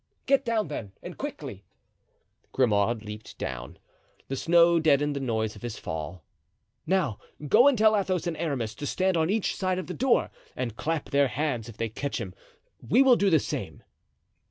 "Get down then and quickly." Grimaud leaped down. The snow deadened the noise of his fall. "Now go and tell Athos and Aramis to stand on each side of the door and clap their hands if they catch him. We will do the same."